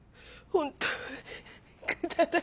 本当。